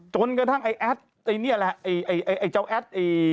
จนกระทั่งไอ้แอดไอ้เจ้าแอด